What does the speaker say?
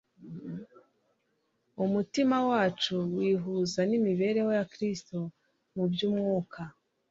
umutima wacu wihuza n'imibereho ya Kristo mu by'umwuka.